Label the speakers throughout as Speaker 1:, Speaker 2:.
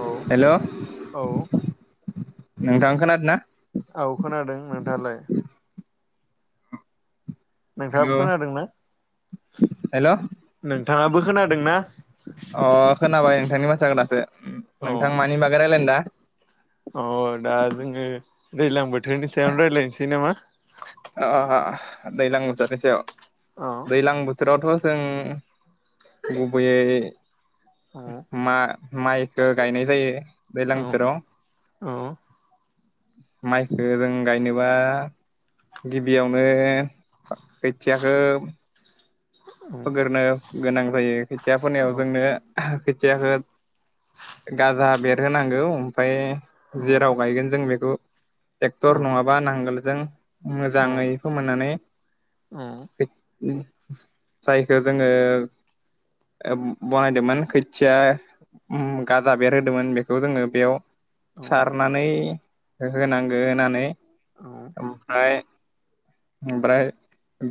Speaker 1: औ
Speaker 2: हेल'
Speaker 1: औ।
Speaker 2: नोंथां खोनादों ना?
Speaker 1: औ खोनादों नोंथाङालाय? नोंथाङाबो
Speaker 2: हेल'
Speaker 1: खोनादोंना? नोंथाङाबो खोनादोंना?
Speaker 2: अ खोनाबाय नोंथांनि बाथ्राखौ दासो। नोंथां
Speaker 1: औ
Speaker 2: मानि बागै रायलायनो दा?
Speaker 1: अ दा जोङो दैज्लां बोथोरनि सायावनो रायज्लायनोसै नामा?
Speaker 2: अ दैलां बोथोरनि सायाव।
Speaker 1: अ
Speaker 2: दैलां ब बोथोरावथ' जों गुबैयै
Speaker 1: औ
Speaker 2: मा माइखौ गायनाय जायो।
Speaker 1: औ
Speaker 2: दैलां बोथोराव माइखौ जों गायनो बा गिबियावनो खोथियाखौ फोग्रोनो गोनां जायो खोथिया
Speaker 1: औ
Speaker 2: फोनायाव जोंनो खोथियाखौ गाजा बेरहोनांगौ ओमफाय
Speaker 1: औ
Speaker 2: जेराव गायगोन जों बेखौ
Speaker 1: औ
Speaker 2: ट्रेक्टर नङाबा नांगोलजों
Speaker 1: औ
Speaker 2: मोजाङै फोमोननानै जायखौ जोङो बनायदोंमोन खोथिया ओ गाजा बेरहोदोंमोन बेखौ जोङो बेयाव
Speaker 1: औ
Speaker 2: सारनानै होनांगौ। होनानै ओमफ्राय ओमफ्राय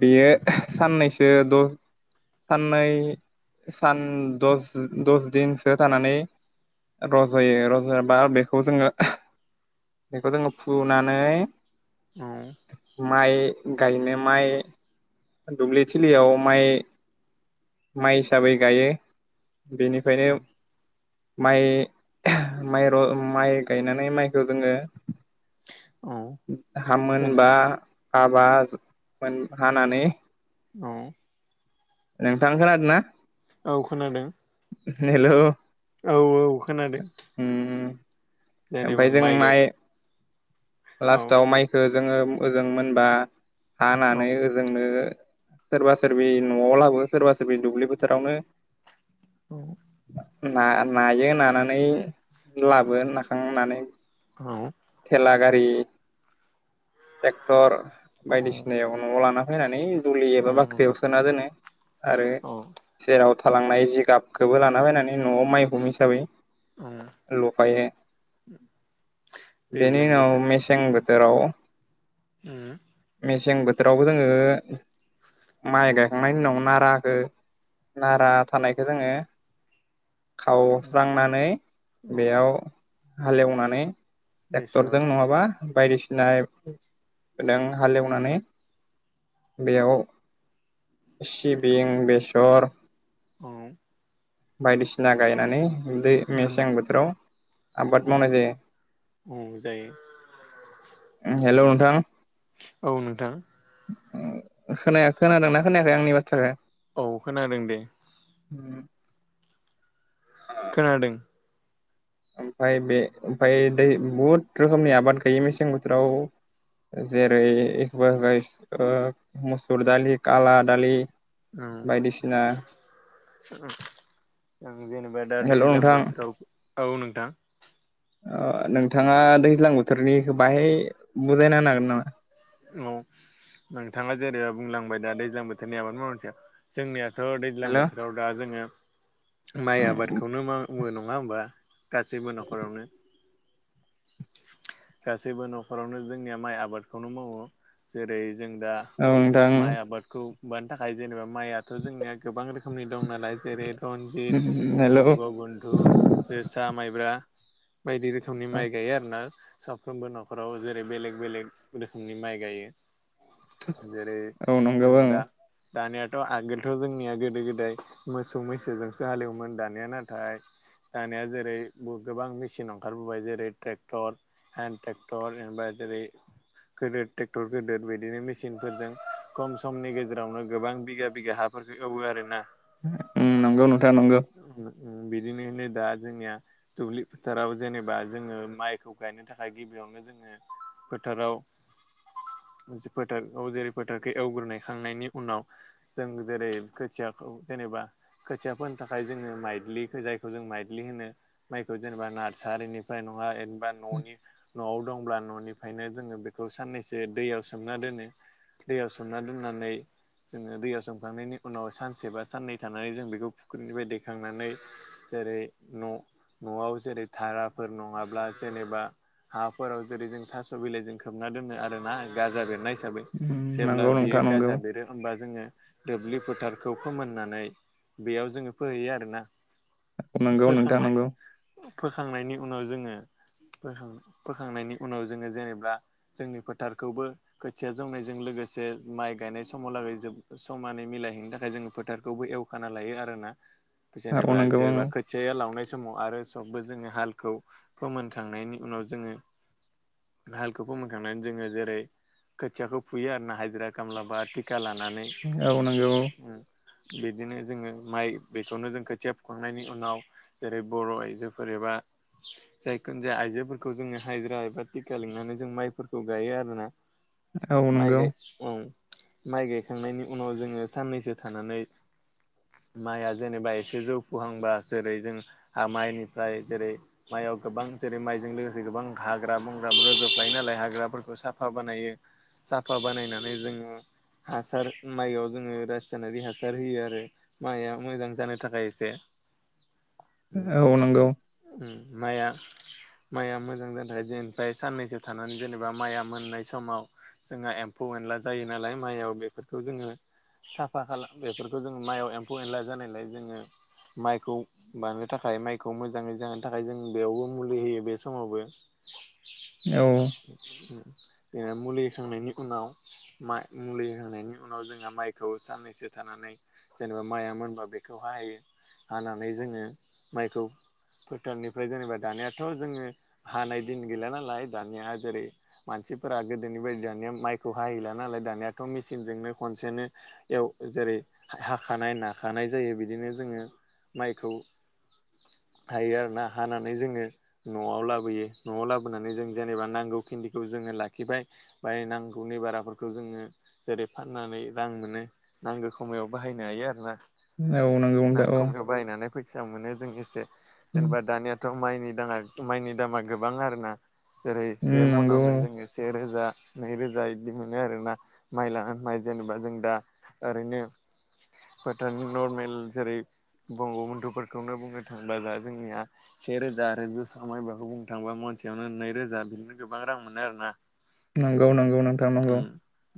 Speaker 2: बेयो साननैसो दस साननै सान दस दस दिनसो थानानै रज'यो रज'बा बेखौ जोङो [unintelligible] बेखौ जोङो फुनानै
Speaker 1: औ।
Speaker 2: माइ गायनो माइ दुब्लिथिलियाव माइ माइ हिसाबै गायो
Speaker 1: औ
Speaker 2: बेनिफ्रायनो माइ [unintelligible] माइ र माइ गायनानै माइखौ जोङो
Speaker 1: औ
Speaker 2: हा
Speaker 1: जेने
Speaker 2: मोनबा हाबा मोन हानानै
Speaker 1: औ।
Speaker 2: नोंथां खोनादोंना?
Speaker 1: औ खोनादों।
Speaker 2: हेलौ।
Speaker 1: औ औ खोनादों।
Speaker 2: उम
Speaker 1: जेनेबा
Speaker 2: ओमफ्राय जों
Speaker 1: गाय
Speaker 2: माइ
Speaker 1: औ
Speaker 2: लास्टाव
Speaker 1: जे
Speaker 2: माइखौ जोङो ओजों मोनबा
Speaker 1: औ
Speaker 2: हानानै ओजोंनो सोरबा सोरबि न'आव लाबोयो सोरबा सोरबि दुब्लि फोथारावनो
Speaker 1: औ।
Speaker 2: नायो नानानै लाबो नाखांनानै
Speaker 1: औ।
Speaker 2: थेला गारि ट्रेक्टर
Speaker 1: औ
Speaker 2: बायदिसिनायाव न'आव लाना फैनानै दुलि
Speaker 1: औ
Speaker 2: एबा बाख्रियाव
Speaker 1: नंगौ
Speaker 2: सोना दोनो आरो
Speaker 1: औ
Speaker 2: जेराव थालांनाय जिगाबखौबो लाना फैनानै न'आव माइ हुम हिसाबै
Speaker 1: औ
Speaker 2: लुफायो। बेनि
Speaker 1: दैज्लां
Speaker 2: उनाव
Speaker 1: बोथोर
Speaker 2: मेसें बोथोराव
Speaker 1: ओम।
Speaker 2: मेसें बोथोरावबो जोङो माइ गायखांनायनि उनाव नाराखो नारा थानायखौ जोङो खावस्रांनानै
Speaker 1: औ
Speaker 2: बेयाव हालेवनानै ट्रेक्टरजों
Speaker 1: बेसर
Speaker 2: नङाबा बायदिसिनादों हालेवनानै बेयाव सिबिं, बेसर
Speaker 1: औ।
Speaker 2: बायदिसिना गायनानै दै
Speaker 1: उम
Speaker 2: मेसें बोथोराव आबाद
Speaker 1: औ
Speaker 2: मावनाय जायो।
Speaker 1: औ जायो
Speaker 2: हेल' नोंथां।
Speaker 1: औ नोंथां।
Speaker 2: ओ खोनाया खोनादोंना खोनायाखै आंनि बाथ्राखो?
Speaker 1: औ खोनादों दे।
Speaker 2: ओम।
Speaker 1: खोनादोंं।
Speaker 2: ओमफाय बे ओमफाय दै बहुद रोखोमनि आबाद गायो मेसें बोथोराव जेरै
Speaker 1: औ
Speaker 2: एखवाराइस मुसुर दालि, खाला दालि
Speaker 1: ओम
Speaker 2: बायदिसिना
Speaker 1: [unintelligible] जेनेबा दा
Speaker 2: हेल'
Speaker 1: दैज्लां
Speaker 2: नोंथां
Speaker 1: बोथोराव औ नोंथां।
Speaker 2: ओ नोंथाङा दैज्लां बोथोरनिखौ बाहाय बुजायना होनो हागोन नामा?
Speaker 1: औ नोंथाङा जेरैबा बुंलांबाय दा दैज्लां बोथोरनि आबाद मावनायनि सायाव जोंनिया थ' दैज्लां
Speaker 2: हेल' औ
Speaker 1: बोथोराव दा जोङो माइ आबादखौनो मावो नङा होमबा गासैबो न'खरावनो? गासैबो न'खरावनो जोंनिया माइ आबादखौनो मावो। जेरै जों दा
Speaker 2: नोंथां
Speaker 1: माइ आबादखौ मावनो थाखाय जेनेबा माइआथ' जोंनिया गोबां रोखोमनि दं नालाय जेरै रनजित,
Speaker 2: हेल' औ
Speaker 1: बंग बन्धु, जोसा, माइब्रा, बायदि रोखोमनि माइ गायो आरो ना साफ्रोमबो न'खराव जेरै बेलेग बेलेग रोखोम नि माइ गायो
Speaker 2: औ नंगौ औ
Speaker 1: दानियााथ' आगोलथ' जोंनिया गोदो गोदाय मोसौ मैसोजोंसो हालेवोमोन दानिया नाथाय दानिया जेरै गोबां मेचिन ओंखारबोबाय जेरै ट्रेक्टर हेन्द ट्रेकटर जेनबा जेरै गोदिर ट्रेक्टर गिदिर बिदिनो मेसिनफोरजों खम समनि गेजेरावनो गोबां बिघा बिघा हाफोरखौ एवो आरो ना
Speaker 2: नंगौ नोंथां नंगौ
Speaker 1: बिदिनोै दा जोंनिया दुब्लि फोथाराव जेनेबा जोङो माइखौ गायनो थाखाय गिबि गिबियावनो जोङो फोथाराव
Speaker 2: [inaudible] [unintelligible]
Speaker 1: फोथाराव जेरै फोथारखौै एवग्रोनायखांनायनि उनाव जों जेरै खोथियाखौ जेनेबा खोथिया फोनो थाखाय जोङो माइद्लि जायखौ जों माइद्लि होनो माइखौ जेनेबा नार्सारिनिफ्राय नङा बा न'नि न'आव दंब्ला न'निफ्रायनो जोङो बेखौ साननैसो दैयाव सोमना दोनो दैयाव सोमना दोननानै जोङो दैयाव सोमखांनायनि उनाव सानसे बा साननै थानानै जों बेखौ फुख्रिनिफ्राय दैेखांनानै जेरै न न'आव जेरै धाराफोर नङाब्ला जेनेबा हाफोराव जेरै जों थास' बिलाइजों खोबना दोनो आरोना गाजा बेरनाय हिसाबै।
Speaker 2: उम
Speaker 1: जेब्ला
Speaker 2: नंगौ
Speaker 1: बेयो
Speaker 2: नोंथां नंगौ
Speaker 1: गाजा बेरो होनोमबा जोङो दुब्लि फोथारखौ फोमोननानै बेयाव जोङो फोहैयो आरोना।
Speaker 2: नोंगौ नोंथां
Speaker 1: फोखांनाय
Speaker 2: नंगौ
Speaker 1: फोखांनायनि उनाव जोङो फोखांनायनि उनाव जोङो जेनेबा जोंनि फोथारखौबो खोथिया जौनायजों लोगोसे माइ गायनाय समाव लागै जोब समानै मि लायहैनो थाखाय जोङो फोथारखौबो एवखाना लायो आरोना।
Speaker 2: औ
Speaker 1: जेनेबा
Speaker 2: नंगौ
Speaker 1: जेनेबा खोथि लावनाय- समाव आरो सबबो जोङो हालखौ फोमोनखांनायनि उनाव जोङो हाल खौ फोमोनखांनानै जोङो जेरै खोथियाखौ फुयो आरो ना हाजिरा, खामला बा टि खा लानानै
Speaker 2: औ नंगौ
Speaker 1: बिदिनो जोङो माइ बेखौनो जों खोथिया फुखांनायनि उनाव जेरै बर' आइजोफोर एबा जायखुनजाया आइजोफोरखौ जों हाजिरा एबा टिका लिंनानै जों माइफोरखौ गायो आरोना।
Speaker 2: औ नंगौ औ नंगौ
Speaker 1: माइ गाय ओम माइ गायखांनायनि उनाव जोङो साननैसो थानानै माइआ जेनेबा एसे जौफुहांबा जेरै जों माइनिफ्राय जेरै माइयाव गोबां जेरै माइजों लोगोसे गोबां हाग्रा बंग्रा रजोबफ्लाय साफा बानायो साफा बानायनानै जोङो हासार माइआव जोङो रासायनारि हासार होयो आरो माइआ मोजां जानो थाखाय एसे
Speaker 2: [unintelligible] [unintelligible] औ नंगौ
Speaker 1: उम उम माइया माइआ मोजां जानो थाखाय जेनिफ्राय साननैसो थानानै जेनेबा माइआ मोननाय समाव जोंहा एम्फौ एनला जायो नालाय माइयाव बेफोरखौ जोङो साफा खालाम बेफोरखौ जोङो माइआव एम्फौ एनला जानायलाय जोङो माइखौ बानायनो थाखाय माइखौ मोजाङै जाहोनो थाखाय जों बेयावबो मुलि होयो बे समावबो
Speaker 2: औ
Speaker 1: जेनेबा मुलि होखांनायनि उनाव मा मुलि होखांनायनि उनाव जोंहा माइखौ साननैसो थानानै जेनेबा माइआ मोनबा बेखौ हायो हानानै जोङो माइखौ फोथारनिफ्राय जेनेबा दानियाथ' जोङो हानाय दिन गैला नालाय दानिया जेरै मानसिफोरा गोदोनि बायदि दानिया माइखौ हाहैला नालाय दानियाथ' मेसिनजोंनो खन खनसेनो एव जेरै हाखानाय नाखानाय जायो बिदिनो जोङो माइखौ हायो आरो ना। हानानै जोङो न'आव लाबोयो न'आव लाबोनानै जों जेनेबा नांगौखिनिखौ जोङो लाखिबाय बाय नांगौनि बाराफोरखौ जोङो जेरै फाननानै ओइ रां मोनो नांगौ खमायाव बाहायनो हायो आरो ना।
Speaker 2: नंगौ
Speaker 1: नां
Speaker 2: नोंथां औ
Speaker 1: खमायाव बायनानै फैसा मोनो जों एसे।
Speaker 2: उम उम,
Speaker 1: जेनेबा दानियाथ' माइनि दाना माइनि दामा गोबां आरो ना जेरै से
Speaker 2: नंगौ
Speaker 1: मनावनो जोङो से रोजा नैरोजा इदि मोनो आरो ना माइ लानानै माइ जेनेबा जों दा ओरैनो फोथारनि नरमेल जेरै बंग' बन्धुफोरखौनो बुंनो थांबोला दा जोंनिया सेेरोजा आरो जोसा मायब्राखौ बुंनो थांबा मनसेयावनो नैरोजा बिदिनो गोबां रां मोनो आरो ना।
Speaker 2: नंगौ नंगौ नोंथां नंगौ।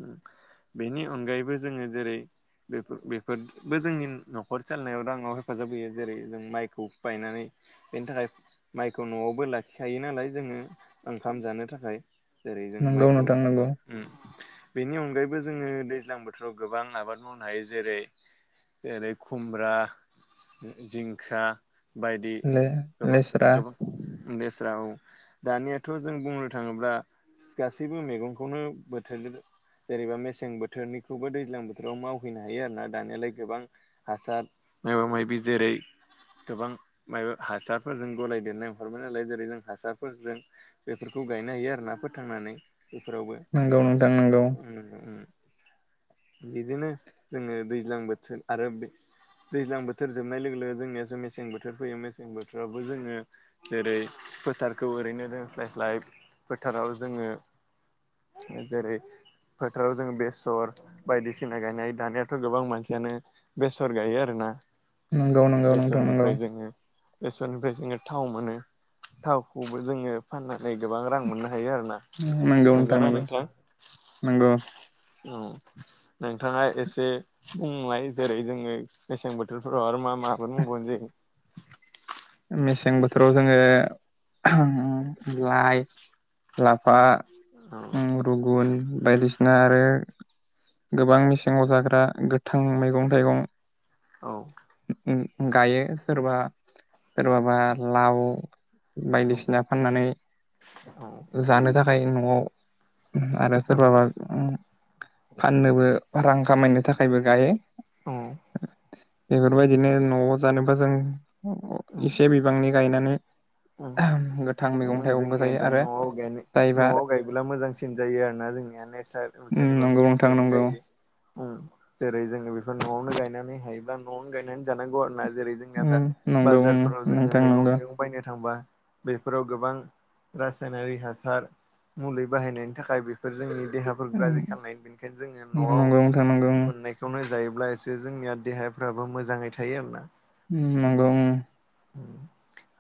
Speaker 1: उम। बेनि अनगायैबो जोङो जेरै बेफोर बेफोरबो जोंनि न'खर सालायनायाव राङाव हेफाजाब होयो। जेरै जों माइखौ बायनानै बेनि थाखाय माइखौ न'आवबो लाखिखायो नालाय जोङो ओंखाम जानो थाखाय। जेरै जोंङो
Speaker 2: नंगौ
Speaker 1: माइखौ
Speaker 2: नोंथां नंगौ
Speaker 1: उम बेनि अनगायैबो जोङो दैज्लां बोथोराव गोबां आबाद मावनो हायो। जेरै जेरै खुमब्रा, जिंखा बायदि गोबां
Speaker 2: ले-लेस्रा
Speaker 1: गोबां लेस्रा औ दानियाथ' जों बुंनो थाङोब्ला गासैबो मेगंखौनो बोथोर जेरैबा मेसें बोथोरनिखौबो दैज्लां बोथोराव मावहैनो हायो आरो ना दानियालाय गोबां हासार मायबा मायबि जेरै गोबां मायबा हासारफोरजों गलाय देरनाय अखारबाय नालाय। जेरै जों हासार फोरजों बेफोरखौ गायनो हायो आरो ना फोथांनानै। बेफोरावबो
Speaker 2: नंगौ नोंथां नंगौ
Speaker 1: उम उम।
Speaker 2: [unintelligible]
Speaker 1: बिदिनो जोङो दैज्लां बोथोर आरो बे दैज्लां बोथोर जोबनाय लोगो लोगो जोंनियासो मेसें बोथोर फैयो मेसें बोथोरावबो जोङो जेरै फोथार खौ ओरैनो दोंस्लाय स्लाय फोथाराव जोङो जेरै फोथाराव जों बेसर बायदिसिना गायनाय दानियाथ' गोबां मानसियानो बेसर गायो आरो ना
Speaker 2: नंगौ नंगौ नोंथां नंगौ।
Speaker 1: बेसरनिफ्राय जोङो थाव मोनो। थावखौबो जोङो फानना नै गोबां रां मोननो हायो आरो ना। नंगौ ना नोंथां?
Speaker 2: नंगौ
Speaker 1: उम। नोंथाङा एसे बुंलाय जेरै जोङो मेसें बोथोरफ्राव आरो मा मा माबाद मावबावनाय जायो?
Speaker 2: मेसें बोथोराव जोङो [unintelligible] लाइ लाफा उम रुगुन बायदिसिना आरो गोबां मेसेङाव जाग्रा गोथां मैगं थाइगं
Speaker 1: औ।
Speaker 2: [unintelligible] गायो सोरबा सोरबाबा लाव
Speaker 1: औ
Speaker 2: बायदिसिना फाननानै
Speaker 1: औ
Speaker 2: जानो थाखाय न'आव आरो
Speaker 1: औ
Speaker 2: सोरबाबा उम फाननोबो रां खामायनो थाखायबो गायो।
Speaker 1: औ।
Speaker 2: बेफोरबायदिनो न'आव जानोबा जों अ इसे बिबांनि गायनानै गोथां मैगं
Speaker 1: ओं।
Speaker 2: थाइगंबो
Speaker 1: जोंनिया
Speaker 2: जायो
Speaker 1: दा
Speaker 2: आरो
Speaker 1: न'आव गायनो
Speaker 2: जायबा
Speaker 1: न'आव गायबोला मोजांसिन जायो आरो ना? जोंनिया नेसार
Speaker 2: उम
Speaker 1: जेनेबा
Speaker 2: नंगौ नोंथां
Speaker 1: मिथिंगायारि
Speaker 2: नंगौ
Speaker 1: जायो। उम। जेरै जोङो बेफोर न'आवनो गायनानै हायोब्ला न'आवनो गायनानै जानांगौ आरो ना जेरै जोंना दा
Speaker 2: उम नंगौ उम
Speaker 1: बाजारफोराव जोङो
Speaker 2: नोंथां
Speaker 1: मैगं
Speaker 2: नंगौ
Speaker 1: थाइगं बायनो थांबा बेफोराव गोबां रासायनारि हासार मुलि बाहायनायनि थाखाय बे बफोर जोंनि देहाफोरखौ गाज्रि खालामनाय बेनिखायनो जोङो
Speaker 2: उम
Speaker 1: न'आव
Speaker 2: नंगौ नोंथां नंगौ
Speaker 1: मोननायखौनो जायो। ब्लासो जोंनिया देहाफ्राबो मोजाङै थायो आरोना।
Speaker 2: उम नंगौ उम।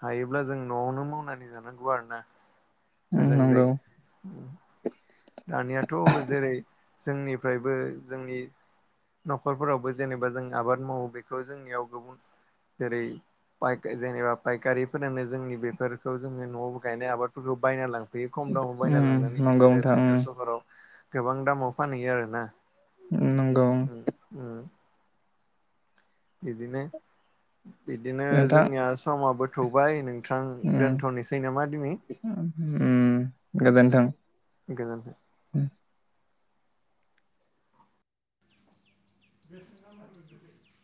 Speaker 1: हायोब्ला जों न'आवनो मावनानै जानांगौ आरो ना?
Speaker 2: उम
Speaker 1: मोजां
Speaker 2: नंगौ
Speaker 1: जायो। दानियाथ' जेरै जोंनिफ्रायबो जोंनि न'खरफोरावबो जेनेबा जों आबाद मावो बेखौ जोंनियाव गुबुन जेरै फाय जेनेबा फायखारिफोरानो जोंनि बेफोरखौ जोङो न'आवबो गायनाय आबादफोरखौ बायना लां फैयो खम दामाव बायना
Speaker 2: उम
Speaker 1: लांनानै
Speaker 2: नंगौ
Speaker 1: बिसोरो
Speaker 2: नोंथां
Speaker 1: नोगोर
Speaker 2: उम
Speaker 1: सहराव गोबां दामाव फानहैयो आरो ना?
Speaker 2: उम नंगौ उम।
Speaker 1: बिदिनो बिदिनो
Speaker 2: नोंथां
Speaker 1: जोंनिया समाबो थौबाय नों थां
Speaker 2: उम
Speaker 1: दोनथ'नोसै नामा दिनै?
Speaker 2: उम गोजोन्थों
Speaker 1: गोजोन्थों।
Speaker 2: [inaudible]